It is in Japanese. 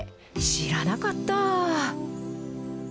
知らなかったー。